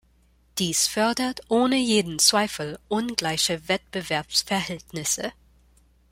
Dies fördert ohne jeden Zweifel ungleiche Wettbewerbsverhältnisse.